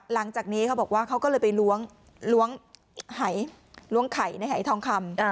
หลังจากนี้เขาบอกว่าเขาก็เลยไปล้วงไข่ในหายทองคำ